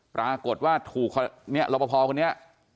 ปรากฏว่าถูกเนี่ยรอปภคนนี้